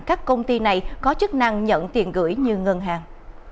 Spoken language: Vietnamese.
các công ty này có chức năng nhận tiền gửi như ngân hàng